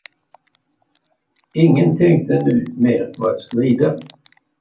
Ingen tänkte nu mer på att strida.